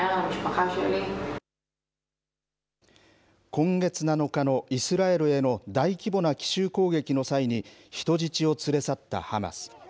今月７日のイスラエルへの大規模な奇襲攻撃の際に、人質を連れ去ったハマス。